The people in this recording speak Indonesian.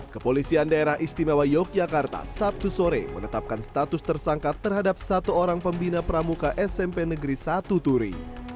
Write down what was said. kepolisian daerah istimewa yogyakarta sabtu sore menetapkan status tersangka terhadap satu orang pembina pramuka smp negeri satu turi